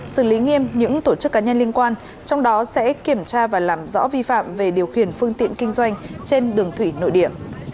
xử lý nghiêm những tổ chức cá nhân liên quan trong đó sẽ kiểm tra và làm rõ vi phạm về điều khiển phương tiện kinh doanh trên đường thủy nội địa